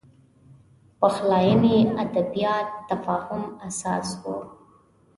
پخلاینې ادبیات تفاهم اساس و